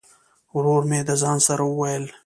ورور مي د ځان سره وویل !